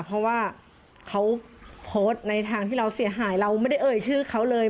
เพราะว่าเขาโพสต์ในทางที่เราเสียหายเราไม่ได้เอ่ยชื่อเขาเลย